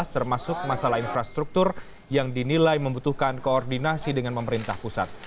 termasuk masalah infrastruktur yang dinilai membutuhkan koordinasi dengan pemerintah pusat